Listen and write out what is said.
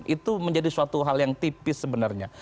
itu menjadi suatu hal yang tipis sebenarnya